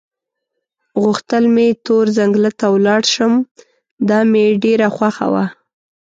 غوښتل مې تور ځنګله ته ولاړ شم، دا مې ډېره خوښه وه.